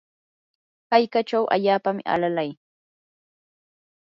hallqachaw allaapami alalay.